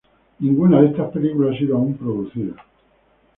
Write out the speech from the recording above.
Ninguna de estas películas ha sido aun producida.